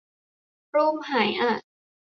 รูปหายอ่ะ